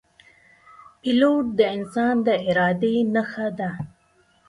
پیلوټ د انسان د ارادې نښه ده.